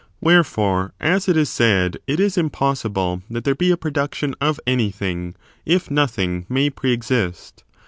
Wherefore, as it is said, it is impossible ^ that l^n^^^^;^ there be a prodution of anything if nothing may suppotes a pre exist.